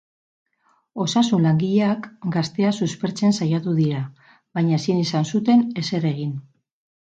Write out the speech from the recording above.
Osasun-langileak gaztea suspertzen saiatu dira, baina ezin izan zuten ezer egin.